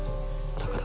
だから。